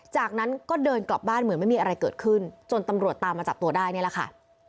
จากนั้นก็เดินกลับบ้านเหมือนไม่มีอะไรเกิดขึ้นจนตำรวจตามมาจับตัวได้นี่แหละค่ะ